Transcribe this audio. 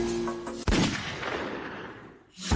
สวัสดีครับ